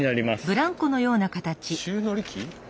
宙乗り機？